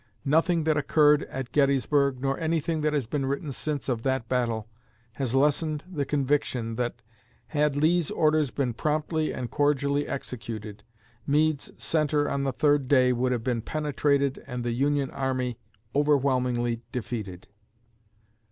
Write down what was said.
Nothing that occurred at Gettysburg, nor anything that has been written since of that battle, has lessened the conviction that, had Lee's orders been promptly and cordially executed, Meade's centre on the third day would have been penetrated and the Union Army overwhelmingly defeated.